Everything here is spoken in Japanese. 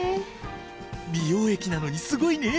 美容液なのにすごいね！